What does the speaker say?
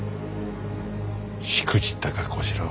しくじったか小四郎。